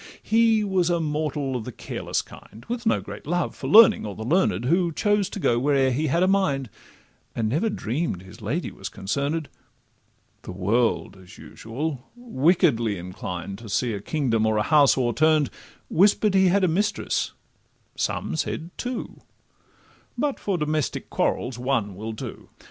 He was a mortal of the careless kind, With no great love for learning, or the learn'd, Who chose to go where'er he had a mind, And never dream'd his lady was concern'd; The world, as usual, wickedly inclined To see a kingdom or a house o'erturn'd, Whisper'd he had a mistress, some said two— But for domestic quarrels one will do.